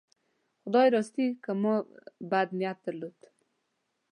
خدای راستي که ما بد نیت درلود.